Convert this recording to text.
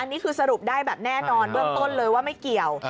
นี่คือสรุปได้แบบแน่นอนเบื้องต้นเลยว่าไม่เกี่ยว